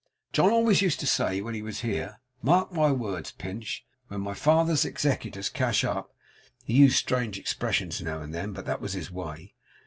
John always used to say when he was here, "Mark my words, Pinch. When my father's executors cash up" he used strange expressions now and then, but that was his way.